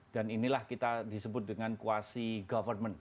dan inilah kita disebut dengan kuasi government